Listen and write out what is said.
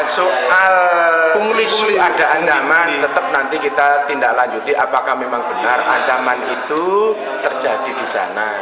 soal ada ancaman tetap nanti kita tindak lanjuti apakah memang benar ancaman itu terjadi di sana